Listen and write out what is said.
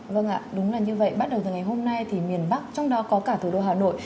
vâng ạ đúng là như vậy bắt đầu từ ngày hôm nay thì miền bắc trong đó có cả thủ đô hà nội